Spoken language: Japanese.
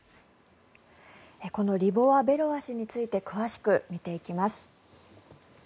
このリボワ・ベロワ氏について詳しく見ていきます。